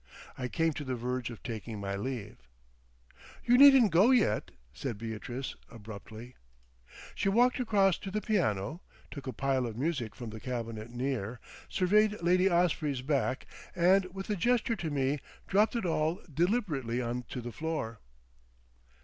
I came to the verge of taking my leave. "You needn't go yet," said Beatrice, abruptly. She walked across to the piano, took a pile of music from the cabinet near, surveyed Lady Osprey's back, and with a gesture to me dropped it all deliberately on to the floor.